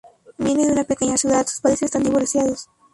Viene de una pequeña ciudad, sus padres están divorciados.